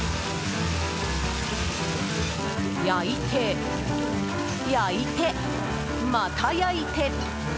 焼いて焼いて、また焼いて。